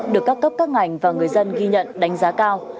được các cấp các ngành và người dân ghi nhận đánh giá cao